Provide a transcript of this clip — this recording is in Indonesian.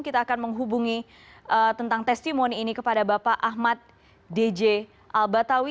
kita akan menghubungi tentang testimoni ini kepada bapak ahmad dj al batawi